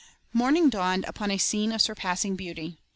Morning dawned upon a scene of surpassing beauty.